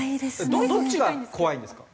どっちが怖いんですか？